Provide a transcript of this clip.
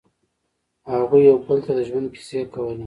هغوی یو بل ته د ژوند کیسې کولې.